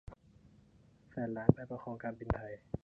แสนล้านไปประคองการบินไทย